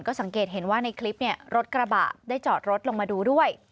สังเกตเห็นว่าในคลิปรถกระบะได้จอดรถลงมาดูด้วย